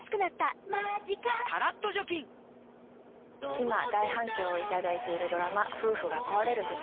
今、大反響を頂いているドラマ、夫婦が壊れるとき。